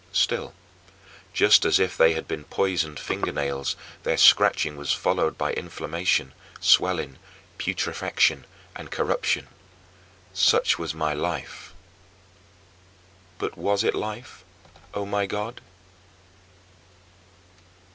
Still, just as if they had been poisoned fingernails, their scratching was followed by inflammation, swelling, putrefaction, and corruption. Such was my life! But was it life, O my God?